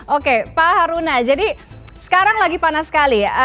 oke pak haruna jadi sekarang lagi panas sekali